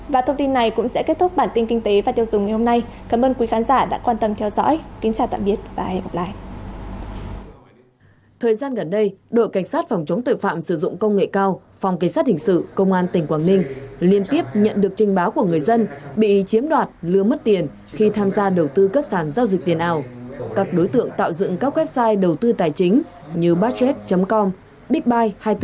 và thông tin này cũng sẽ kết thúc bản tin kinh tế và tiêu dùng ngày hôm nay